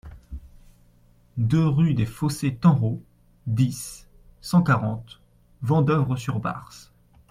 deux rue des Fossés Tanrot, dix, cent quarante, Vendeuvre-sur-Barse